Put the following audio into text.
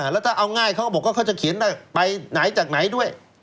แล้วถ้าเอาง่ายเขาก็บอกว่าเขาจะเขียนไปไหนจากไหนด้วย